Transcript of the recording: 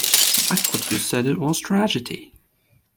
I thought you said it was a tragedy.